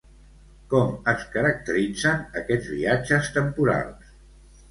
Com es caracteritzen aquests viatges temporals?